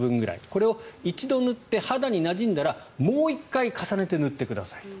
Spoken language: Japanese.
これを一度塗って肌になじんだらもう１回重ねて塗ってください。